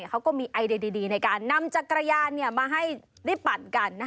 เขาก็มีไอเดียดีในการนำจักรยานมาผัดกัน